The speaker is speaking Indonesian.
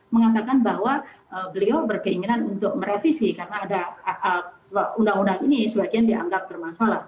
mengatakan bahwa beliau berkeinginan untuk merevisi karena ada undang undang ini sebagian dianggap bermasalah